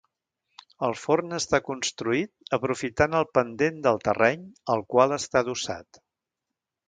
El forn està construït aprofitant el pendent del terreny al qual està adossat.